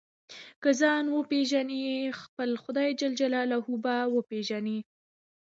که ځان وپېژنې خپل خدای جل جلاله به وپېژنې.